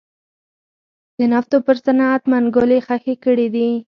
د نفتو پر صنعت منګولې خښې کړې دي.